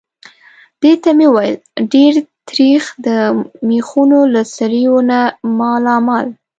دې ته مې وویل: ډېر تریخ. د مېخونو له سوریو نه مالامال.